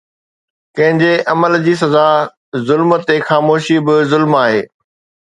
ڪنهن جي عمل جي سزا، ظلم تي خاموشي به ظلم آهي